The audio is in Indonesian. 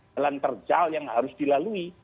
jalan terjal yang harus dilalui